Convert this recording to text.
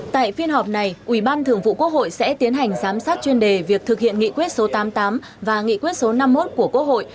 tại phiên họp này ủy ban thường vụ quốc hội sẽ tiến hành giám sát chuyên đề việc thực hiện nghị quyết số tám mươi tám và nghị quyết số năm mươi một của quốc hội